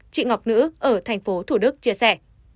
chị ngọc nữ ở thành phố thủ đức chia sẻ